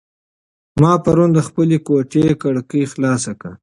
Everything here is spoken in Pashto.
ما پرون د خپلې کوټې کړکۍ خلاصه کړه.